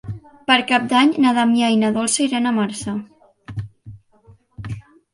Per Cap d'Any na Damià i na Dolça iran a Marçà.